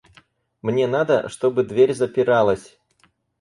Мне надо, чтобы дверь запиралась.